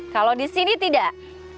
kalau di sini tidak